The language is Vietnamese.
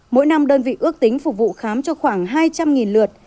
mỗi năm đơn vị ước tính phục vụ khám cho khoảng hai trăm linh lượt